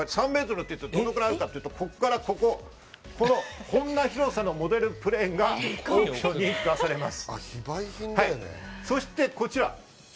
どのくらいあるかというと、ここからここ、こんな広さのモデルプレーンがオークションに出品されます。